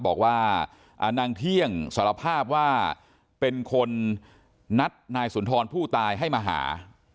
บอกว่านางเที่ยงสารภาพว่าเป็นคนนัดนายสุนทรผู้ตายให้มาหา